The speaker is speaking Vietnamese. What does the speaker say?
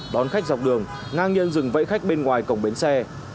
đón khách dọc đường ngang nhiên dừng vẫy khách bên ngoài cổng bến xe